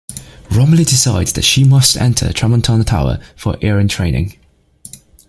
Romilly decides that she must enter Tramontana tower for "laran" training.